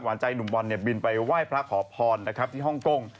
ใจหนุ่มบอลเนี่ยบินไปไหว้พระขอพรนะครับที่ฮ่องกง